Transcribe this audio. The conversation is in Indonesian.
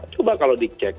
coba kalau dicek